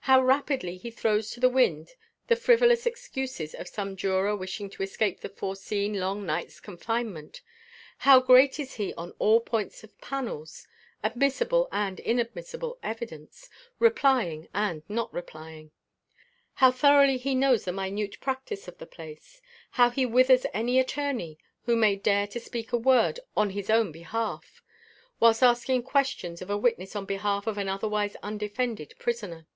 How rapidly he throws to the wind the frivolous excuses of some juror wishing to escape the foreseen long night's confinement. How great is he on all points of panels admissible and inadmissible evidence replying and not replying. How thoroughly he knows the minute practice of the place; how he withers any attorney who may dare to speak a word on his own behalf, whilst asking questions of a witness on behalf of an otherwise undefended prisoner.